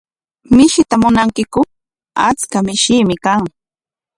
¿Mishita munankiku? Achka mishiimi kan.